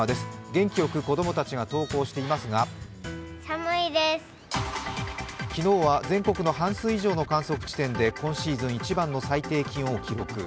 元気よく子供たちが登校していますが昨日は全国の半数以上の観測地点で今シーズン一番の最低気温を記録。